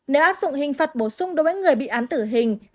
nếu áp dụng hình phạt bổ sung đối với người bị án tử hình sẽ trở thành vô nghĩa